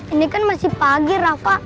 ini kan masih pagi raka